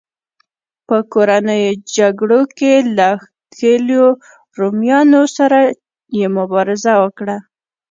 په کورنیو جګړو کې له ښکېلو رومیانو سره یې مبارزه وکړه.